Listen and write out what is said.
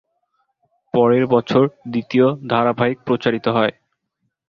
পরের বছর দ্বিতীয় ধারাবাহিক প্রচারিত হয়।